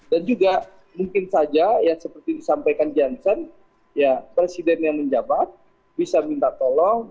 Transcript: dan juga mungkin saja yang seperti disampaikan jansen presiden yang menjabat bisa minta tolong